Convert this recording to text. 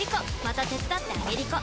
また手伝ってあげりこ！